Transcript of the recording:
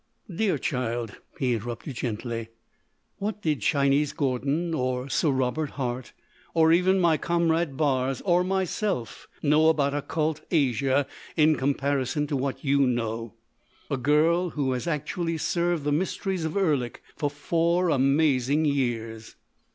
"Dear child," he interrupted gently, "what did Chinese Gordon or Sir Robert Hart, or even my comrade Barres, or I myself know about occult Asia in comparison to what you know?—a girl who has actually served the mysteries of Erlik for four amazing years!"